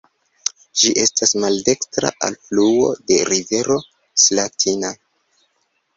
Ĝi estas maldekstra alfluo de rivero Slatina.